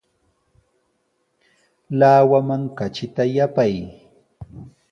Lawaman katrita yapay.